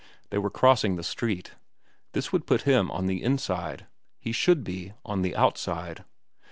They were crossing the street. This would put him on the inside. He should be on the outside.